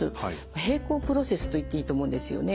並行プロセスと言っていいと思うんですよね。